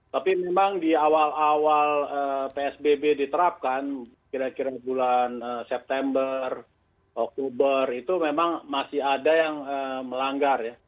tapi memang di awal awal psbb diterapkan kira kira bulan september oktober itu memang masih ada yang melanggar ya